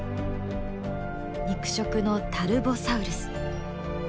肉食のタルボサウルス。